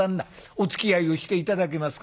おつきあいをして頂けますか。